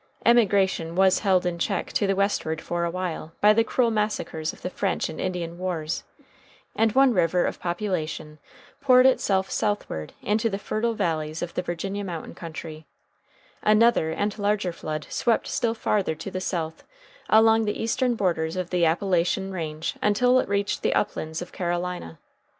Emigration was held in check to the westward for a while by the cruel massacres of the French and Indian wars, and one river of population poured itself southward into the fertile valleys of the Virginia mountain country; another and larger flood swept still farther to the south along the eastern borders of the Appalachian range until it reached the uplands of Carolina.